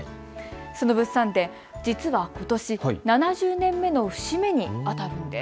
その物産展、実はことし７０年目の節目にあたるんです。